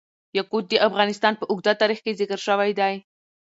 یاقوت د افغانستان په اوږده تاریخ کې ذکر شوی دی.